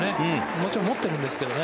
もちろん持ってるんですけどね。